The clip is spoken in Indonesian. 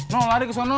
nol lari ke sana